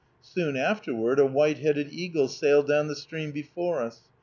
Soon afterward a white headed eagle sailed down the stream before us.